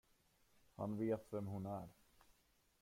Han vet vem hon är.